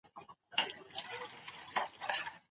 د کندهار دودونه له هلمند سره توپیر لري.